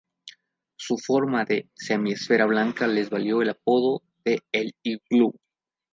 Su forma de semiesfera blanca le valió el apodo de "el Iglú".